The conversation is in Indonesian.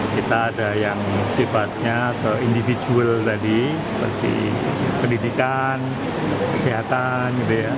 kita ada yang sifatnya ke individual tadi seperti pendidikan kesehatan